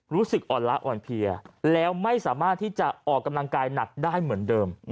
รู้สึกอ่อนล้าอ่อนเพลียแล้วไม่สามารถที่จะออกกำลังกายหนักได้เหมือนเดิม